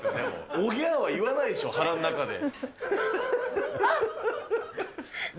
おぎゃーは言わないでしょ、腹の中で。